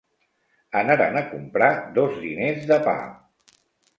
Anaren a comprar dos diners de pa.